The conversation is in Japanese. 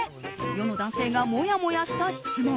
世の男性がもやもやした質問。